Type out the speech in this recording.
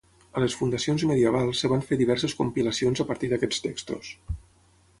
A les fundacions medievals es van fer diverses compilacions a partir d'aquests textos.